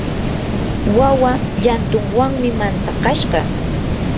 wawa llantunwanmi mantsakashqa.